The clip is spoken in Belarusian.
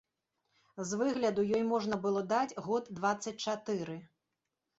З выгляду ёй можна было даць год дваццаць чатыры.